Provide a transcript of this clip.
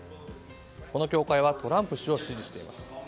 この教会はトランプ氏を支持しています。